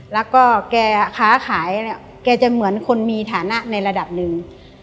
แล้วก็แกค้าขายเนี่ยแกจะเหมือนคนมีฐานะในระดับหนึ่ง